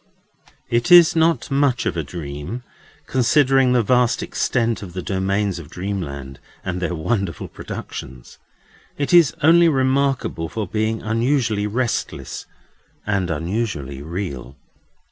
It is not much of a dream, considering the vast extent of the domains of dreamland, and their wonderful productions; it is only remarkable for being unusually restless and unusually real.